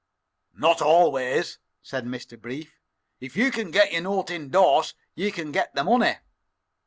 "Not always," said Mr. Brief. "If you can get your note indorsed you can get the money."